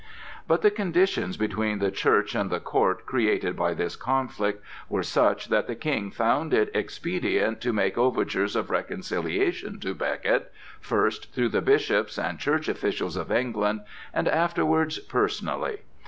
But the conditions between the Church and the court created by this conflict were such that the King found it expedient to make overtures of reconciliation to Becket, first through the bishops and church officials of England, and afterwards personally.